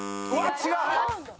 違う？